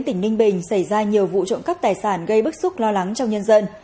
tỉnh ninh bình xảy ra nhiều vụ trộm cắp tài sản gây bức xúc lo lắng trong nhân dân